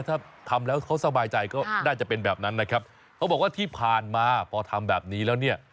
ถ้าทำแล้วเขาสบายใจก็น่าจะเป็นแบบนั้นนะครับเขาบอกว่าที่ผ่านมาพอทำแบบนี้แล้วเนี่ย